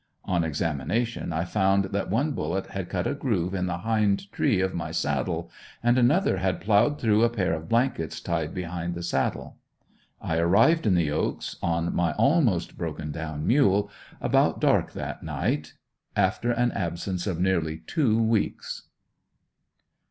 On examination I found that one bullet had cut a groove in the hind tree of my saddle, and another had plowed through a pair of blankets tied behind the saddle. I arrived in the Oaks, on my almost broken down mule about dark that night, after an absence of nearly two weeks.